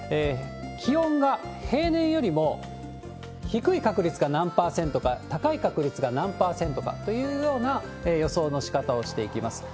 気温が平年よりも低い確率が何％か、高い確率が何％かというような予想のしかたをしていきます。